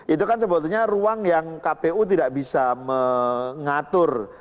itu kan sebetulnya ruang yang kpu tidak bisa mengatur